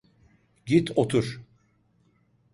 Git otur.